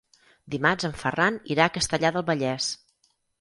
Dimarts en Ferran irà a Castellar del Vallès.